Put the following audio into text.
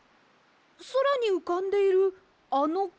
そらにうかんでいるあのくもですか？